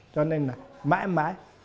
cho nên là mãi mãi